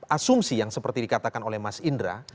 asumsi yang seperti dikatakan oleh mas indra